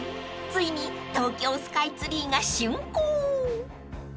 ［ついに東京スカイツリーが竣工］